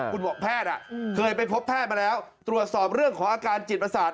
คุณบอกแพทย์เคยไปพบแพทย์มาแล้วตรวจสอบเรื่องของอาการจิตประสาท